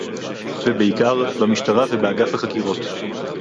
ובעיקר - במשטרה ובאגף החקירות